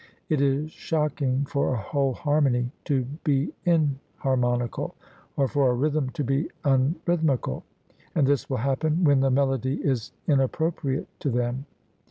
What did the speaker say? It is shocking for a whole harmony to be inharmonical, or for a rhythm to be unrhythmical, and this will happen when the melody is inappropriate to them.